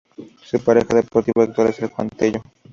Su pareja deportiva actual es Juan Tello.